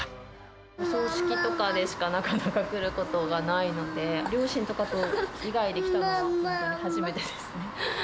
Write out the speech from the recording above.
お葬式とかでしかなかなか来ることがないので、両親とかと以外で来たのは、本当に初めてですね。